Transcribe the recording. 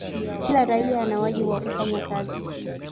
kila raia ana wajibu wa kufanya kazi